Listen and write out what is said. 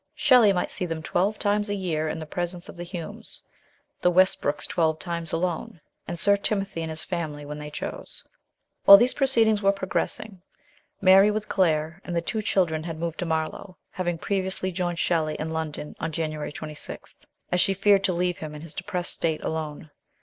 Shelley might see them twelve times a year in the presence of the Humes, the Westbrooks twelve times alone, and Sir Timothy and his family when they chose. 120 MJEtS. SHELLEY. While these proceedings were progressing, Mary with Claire and the two children had moved to Marlow, having previously joined Shelley in London on January 26, as she feared to leave him in his depressed state alone.